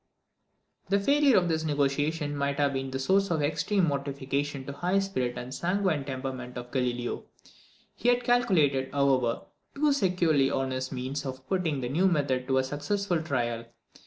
The failure of this negotiation must have been a source of extreme mortification to the high spirit and sanguine temperament of Galileo. He had calculated, however, too securely on his means of putting the new method to a successful trial.